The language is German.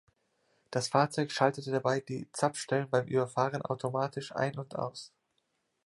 Das Fahrzeug schaltete dabei die Zapfstellen beim Überfahren automatisch ein und aus.